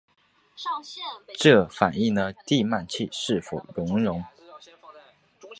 这反映了地幔楔是否熔融。